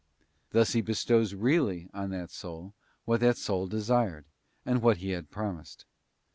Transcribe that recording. Thus He bestows really on that soul what that soul desired, and what He had promised.